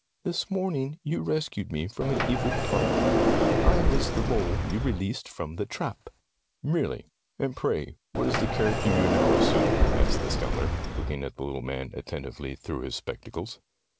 This morning you rescued me from an evil plight; I was the mole you released from the trap." Tales of Modern Germany 17 ''Really! And pray, what is the char acter you now assume ?" asked the scholar, lookin'g at the little man attentively through his spectacles.